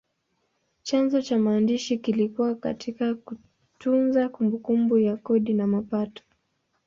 Chanzo cha maandishi kilikuwa katika kutunza kumbukumbu ya kodi na mapato.